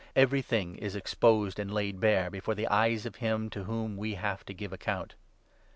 Everything is exposed and laid bare before the eyes of him to whom we have to give account.